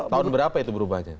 tahun berapa itu berubahnya